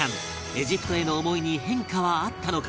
エジプトへの思いに変化はあったのか？